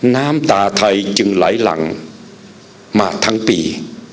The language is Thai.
น้ำตาไทยจึงไหลหลังมาทั้งปี